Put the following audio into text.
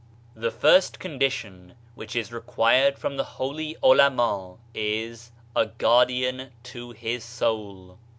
The first condition which is required from the holy ulama is: "A guardian to his soul."